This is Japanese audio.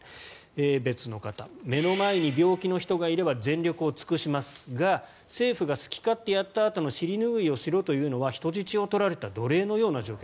別の方目の前に病気の人がいれば全力を尽くしますが政府が好き勝手やったあとの尻拭いをしろというのは人質を取られた奴隷のような状況。